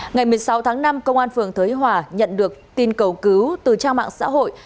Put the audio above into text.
ngày một mươi sáu tháng năm công an phường thới hòa nhận được tin cầu cứu từ trang mạng xã hội